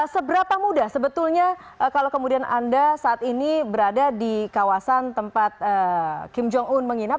seberapa mudah sebetulnya kalau kemudian anda saat ini berada di kawasan tempat kim jong un menginap